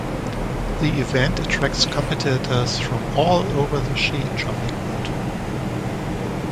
The event attracts competitors from all over the ski jumping world.